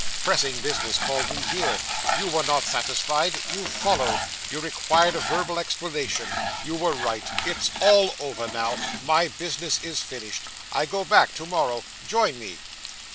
Pressing business called me here. You were not satisfied. You followed. You required a verbal explanation. You were right. It's all over now. My business is finished. I go back to morrow. Join me.